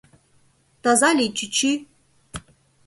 Таза лий, чӱчӱ!